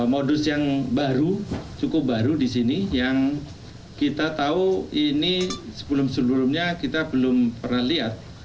modus yang baru cukup baru di sini yang kita tahu ini sebelum sebelumnya kita belum pernah lihat